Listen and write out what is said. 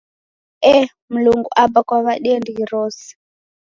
Ee, Mlungu Aba kuw'adie ndighi rose!